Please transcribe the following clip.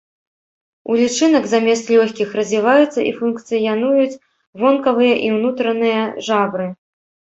У лічынак замест лёгкіх развіваюцца і функцыянуюць вонкавыя і ўнутраныя жабры.